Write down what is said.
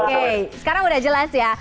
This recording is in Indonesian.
oke sekarang udah jelas ya